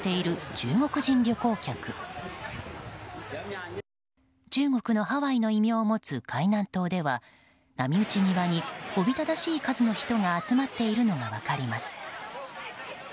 中国のハワイの異名を持つ海南島では波打ち際におびただしい人の数が集まっているのが分かります。